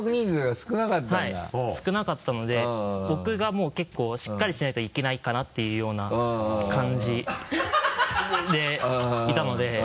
少なかったので僕がもう結構しっかりしないといけないかなっていうような感じでいたので。